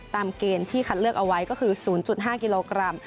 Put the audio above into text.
เกณฑ์ที่คัดเลือกเอาไว้ก็คือ๐๕กิโลกรัม